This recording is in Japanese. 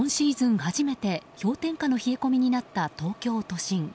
初めて、氷点下の冷え込みになった東京都心。